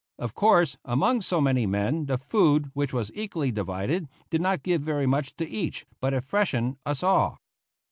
Of course, among so many men, the food, which was equally divided, did not give very much to each, but it freshened us all.